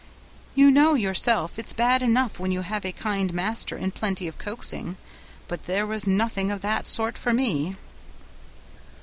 You know yourself it's bad enough when you have a kind master and plenty of coaxing, but there was nothing of that sort for me.